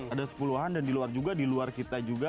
ada sepuluhan dan di luar juga di luar kita juga